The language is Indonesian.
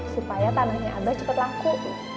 supaya tanahnya ada cepet laku